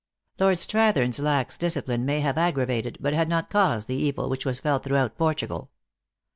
Lord Srrathern s lax discipline may have aggra vated, but had not caused the evil, which was felt throughout Portugal.